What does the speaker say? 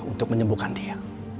untuk menyembuhkan dia